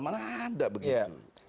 mana ada begitu